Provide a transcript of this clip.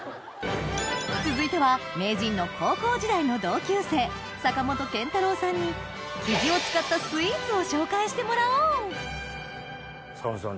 続いては名人の高校時代の同級生坂元健太郎さんにキジを使ったスイーツを紹介してもらおう坂元さん